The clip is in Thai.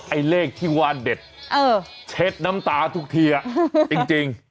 ไอ้เลขที่ว่าเด็ดเช็ดน้ำตาทุกทีจริง